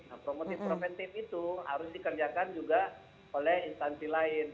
nah promotif preventif itu harus dikerjakan juga oleh instansi lain